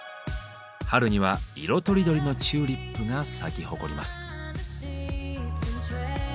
春には色とりどりのチューリップが咲き誇ります。